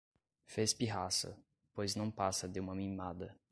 Fez pirraça, pois não passa de uma mimada